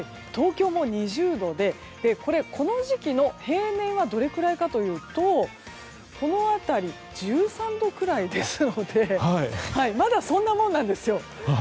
東京も２０度でこの時期、平年はどれくらいかというとこの辺り１３度くらいですのでまだそんなもんなんですよ。